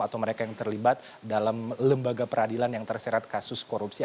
atau mereka yang terlibat dalam lembaga peradilan yang terseret kasus korupsi